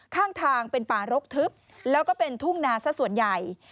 ข้างทางเป็นป่ารกทึบแล้วก็เป็นทุ่งนาซะส่วนใหญ่